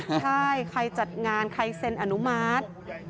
ใช่ใครจัดงานใครเซ็นอนุมัติ